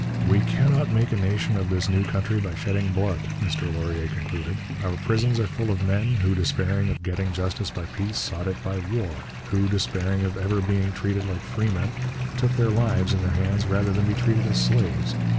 'We cannot make a nation of this new country by shedding blood,' Mr Laurier concluded. 'Our prisons are full of men, who, despairing of getting justice by peace, sought it by war, who, despairing of ever being treated like freemen, took their lives in their hands rather than be treated as slaves.